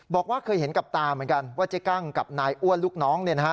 บอกว่าเคยเห็นกับตาเหมือนกันว่าเจ๊กั้งกับนายอ้วนลูกน้อง